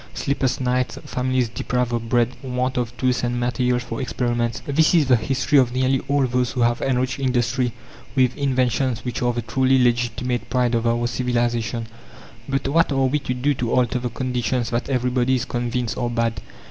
Sleepless nights, families deprived of bread, want of tools and materials for experiments, this is the history of nearly all those who have enriched industry with inventions which are the truly legitimate pride of our civilization. But what are we to do to alter the conditions that everybody is convinced are bad?